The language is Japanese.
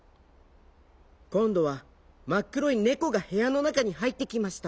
こんどはまっくろいねこがへやのなかにはいってきました。